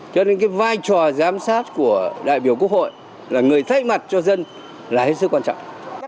cho nên cái vai trò giám sát của đại biểu quốc hội là người thay mặt cho dân là hết sức quan trọng